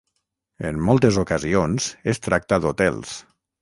En moltes ocasions es tracta d'hotels.